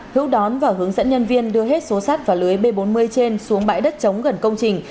hữu đón và hướng dẫn nhân viên đưa hết số sắt và lưới b bốn mươi trên xuống bãi đất chống gần công trình